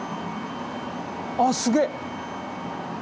ああすげえ！